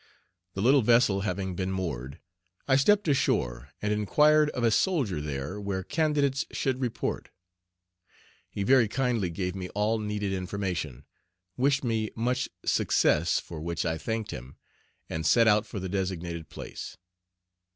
The little vessel having been moored, I stepped ashore and inquired of a soldier there where candidates should report. He very kindly gave me all needed information, wished me much success, for which I thanked him, and set out for the designated place.